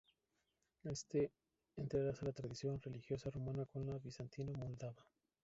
Éste entrelaza la tradición religiosa rumana con la bizantino-moldava.